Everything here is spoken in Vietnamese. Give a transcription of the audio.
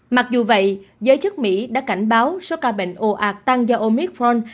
mặc dù vậy giới chức mỹ đã cảnh báo số ca bệnh ô ạt tăng do omicron